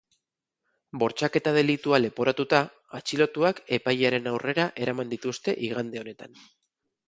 Bortxaketa delitua leporatuta, atxilotuak epailearen aurrera eraman dituzte igande honetan.